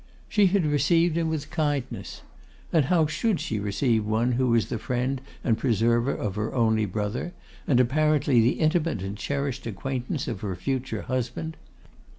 She had received him with kindness. And how should she receive one who was the friend and preserver of her only brother, and apparently the intimate and cherished acquaintance of her future husband?